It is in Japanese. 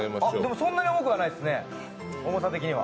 そんなに重くはないですね、重さ的には。